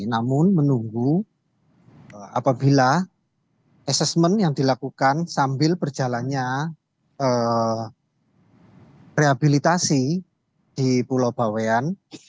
namun menunggu apabila assessment yang dilakukan sambil berjalannya rehabilitasi di pulau bawean